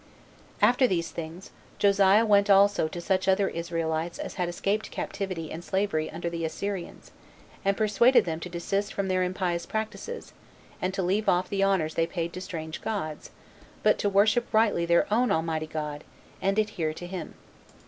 5. After these things, Josiah went also to such other Israelites as had escaped captivity and slavery under the Assyrians, and persuaded them to desist from their impious practices, and to leave off the honors they paid to strange gods, but to worship rightly their own Almighty God, and adhere to him.